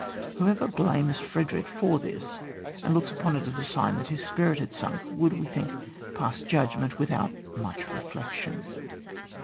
Whoever blames Frederick for this, and looks upon it as a sign that his spirit had sunk, would, we think, pass judgment without much reflection.